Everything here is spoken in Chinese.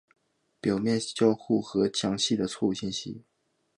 表面交互和详细的错误信息。